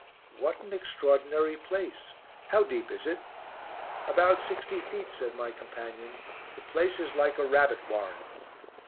"What an extraordinary place; how deep is it?" "About sixty feet," said my companion. "The place is like a rabbit warren."